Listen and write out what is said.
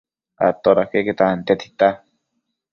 Atoda queque tantia tita